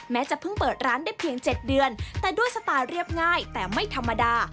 จะเพิ่งเปิดร้านได้เพียง๗เดือนแต่ด้วยสไตล์เรียบง่ายแต่ไม่ธรรมดา